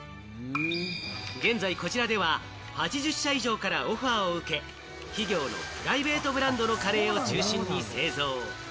現在こちらでは８０社以上からオファーを受け、企業のプライベートブランドのカレーを中心に製造。